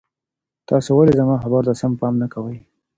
تاسو ولي زما خبرو ته سم پام نه کوئ؟